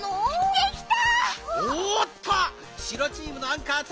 できた！